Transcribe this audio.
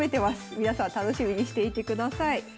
皆さん楽しみにしていてください。